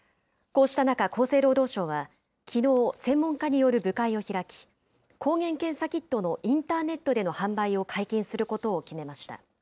こうした中、厚生労働省は、きのう、専門家による部会を開き、抗原検査キットのインターネットでの販売を解禁することを決めました。